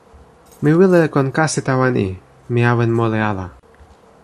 mi wile e kon kasi tawa ni: mi awen moli ala.